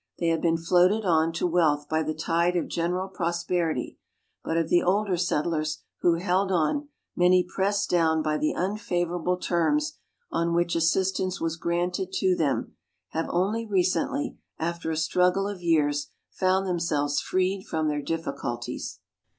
They have been floated on to wealth by the tide of general prosperity, but of the older settlers who held on, many pressed down by the un favorable terms on which assistance was granted to them, have only recently, after a struggle of years, found themselves freed from their difficulties. Letters from \Victorian Pioneers.